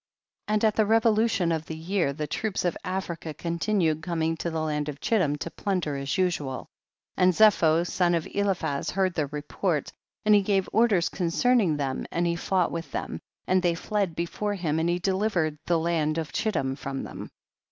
23. And at the revolution of the year the troops of Africa continued coming to the land of Chittim to plunder as usual, and Zepho son of Eliphaz heard their report, and he gave orders concerning them and he fought with them, and they fled be fore him, and he delivered the land of Chittim from them.